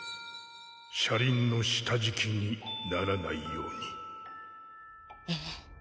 車輪の下敷きにならないようにええ。